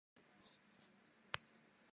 Three children were born to them.